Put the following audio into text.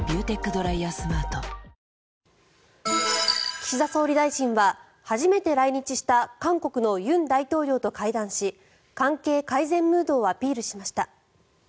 岸田総理大臣は初めて来日した韓国の尹大統領と会談し関係改善ムードをアピールしました。